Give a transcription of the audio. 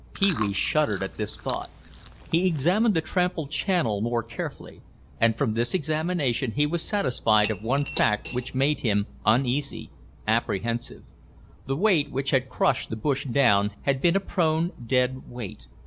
Pee wee shuddered at this thought. He examined the trampled channel more carefully. And from this examination he was satisfied of one fact which made him uneasy, apprehensive. The weight which had crushed the bush down had been a prone, dead weight.